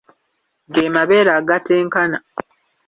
Ge mabeere agatenkana.